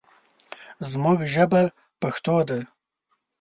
زموږ ژبه پښتو ده.